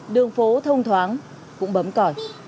đường phố thông thoáng cũng bấm còi